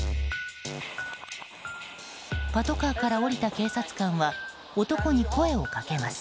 パトカーから降りた警察官は男に声をかけます。